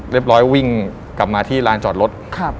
เรียบร้อยวิ่งกลับมาที่ลานจอดรถ